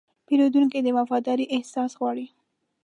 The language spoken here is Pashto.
پیرودونکی د وفادارۍ احساس غواړي.